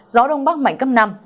gió đông bắc mạnh cấp năm